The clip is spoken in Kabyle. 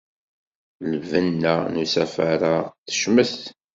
Lbenna n usafar-a tecmet.